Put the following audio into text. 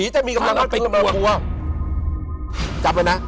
จับไว้นะ